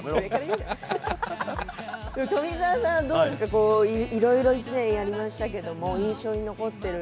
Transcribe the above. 富澤さん、いろいろ１年やりましたけれども印象に残っている。